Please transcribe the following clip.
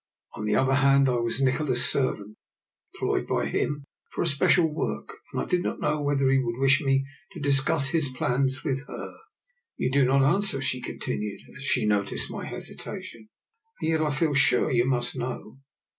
On the other hand, I was Nikola's servant, employed by him for a special work, and I did not know whether he would wish me to discuss his plans with her. 90 DR. NIKOLA'S EXPERIMENT. " You do not answer/' she continued as she noticed my hesitation. " And yet I feel sure you must know.